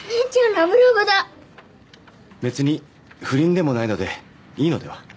ラブラブだ別に不倫でもないのでいいのでは？